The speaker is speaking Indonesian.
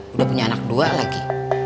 udah punya anak dua lagi